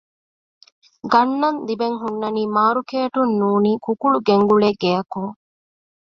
ގަންނަން ލިބެން ހުންނާނީ މާރުކޭޓުން ނޫނީ ކުކުޅު ގެންގުޅޭ ގެއަކުން